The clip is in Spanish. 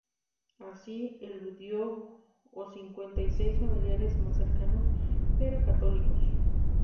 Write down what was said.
Así, eludió a cincuenta y seis familiares más cercanos, pero católicos.